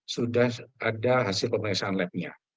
sudah ada hasil pemeriksaan lab nya